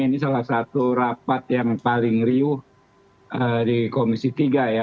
ini salah satu rapat yang paling riuh di komisi tiga ya